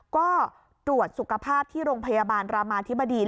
ก็ตรวจสุขภาพที่โรงพยาบาลรามาธิบดี